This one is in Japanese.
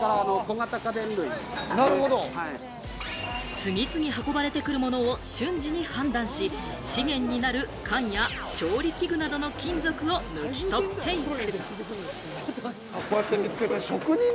次々運ばれてくるものを瞬時に判断し、資源になる缶や調理器具などの金属を抜き取っていく。